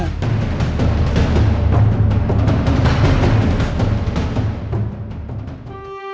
อย่างนั้นพวกน้องเจ้าก็ทำมาก